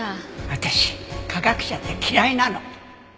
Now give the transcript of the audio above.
私科学者って嫌いなの！